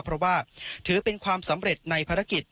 เพราะว่าถือเป็นความสำเร็จในภารกิจ